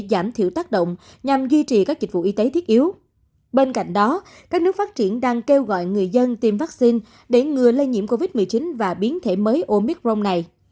bên cạnh đó các nước phát triển đang kêu gọi người dân tìm vaccine để ngừa lây nhiễm covid một mươi chín và biến thể mới omicron này